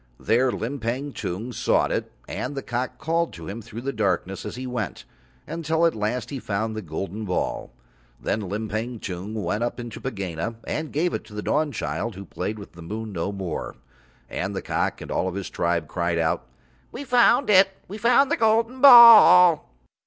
There Limpang Tung sought it and the cock called to him through the darkness as he went, until at last he found the golden ball. Then Limpang Tung went up into Pegāna and gave it to the Dawnchild, who played with the moon no more. And the cock and all his tribe cried out: "We found it. We found the golden ball."